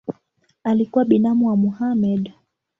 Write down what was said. Alikuwa binamu wa Mohamed.